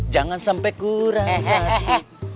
jangan sampai kurang sakit